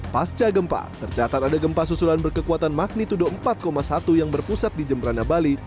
pasca gempa tercatat ada gempa susulan berkekuatan magnitudo empat satu yang berpusat di jemberana bali